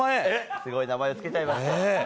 すごい名前つけちゃいました。